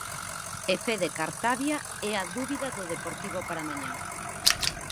E Fede Cartabia é a dúbida do Deportivo para mañá.